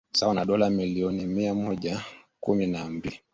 sawa na dola milioni mia moja kumi na mbili